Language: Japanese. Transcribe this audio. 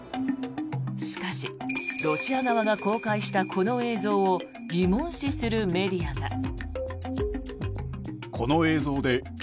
しかし、ロシア側が公開したこの映像を疑問視するメディアが。